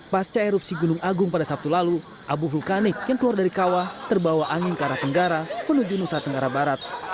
pasca erupsi gunung agung pada sabtu lalu abu vulkanik yang keluar dari kawah terbawa angin ke arah tenggara menuju nusa tenggara barat